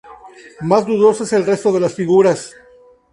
Más dudoso es el resto de las figuras.